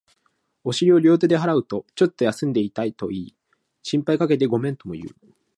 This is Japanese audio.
お尻を両手で払うと、ちょっと休んでいたと言い、心配かけてごめんとも言う